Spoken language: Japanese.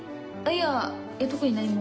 いや特に何も。